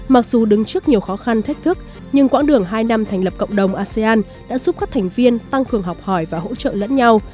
mặc dù đứng trước nhiều khó khăn thách thức nhưng quãng đường hai năm thành lập cộng đồng asean đã giúp các thành viên tăng cường học hỏi và hỗ trợ lẫn nhau